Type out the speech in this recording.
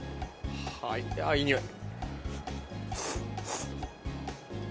いいにおい。